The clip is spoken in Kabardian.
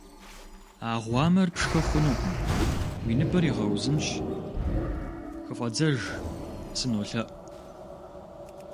А гъуамэр пшхы хъунукъым уи ныбэр игъэузынщ, хыфӀэдзэж, сынолъэӀу.